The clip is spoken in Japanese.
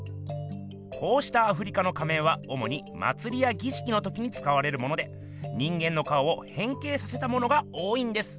こうしたアフリカの仮面はおもにまつりやぎしきのときにつかわれるもので人間の顔をへん形させたものが多いんです。